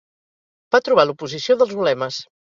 Va trobar l'oposició dels ulemes.